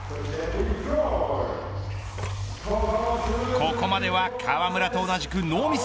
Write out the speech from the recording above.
ここまでは河村と同じくノーミス。